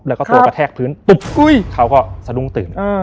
แล้วก็ตัวกระแทกพื้นปุ๊บกุ้ยเขาก็สะดุ้งตื่น